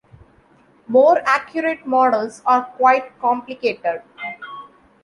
More accurate models are quite complicated.